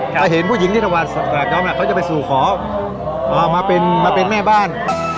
ถ้าเห็นผู้หญิงที่ทำวานสลากย้อมน่ะเขาจะไปสู่ขอมาเป็นแม่บ้าน